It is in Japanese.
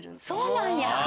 そうなんや！